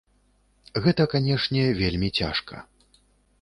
Гэта, канешне, вельмі цяжка.